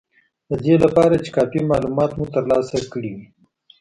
د دې لپاره چې کافي مالومات مو ترلاسه کړي وي